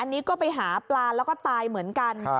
อันนี้ก็ไปหาปลาแล้วก็ตายเหมือนกัน